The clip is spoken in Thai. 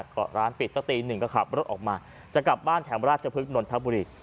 ก็ร้านปิดสักตีหนึ่งก็ขับรถออกมาจะกลับบ้านแถวราชพฤกษนนทบุรี